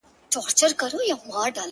دلته خواران ټوله وي دلته ليوني ورانوي ـ